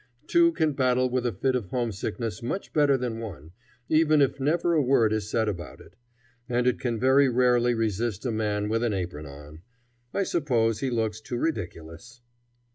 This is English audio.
Two can battle with a fit of homesickness much better than one, even if never a word is said about it. And it can very rarely resist a man with an apron on. I suppose he looks too ridiculous.